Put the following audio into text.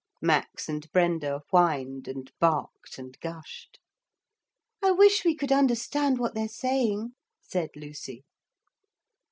Max and Brenda whined and barked and gushed. 'I wish we could understand what they're saying,' said Lucy.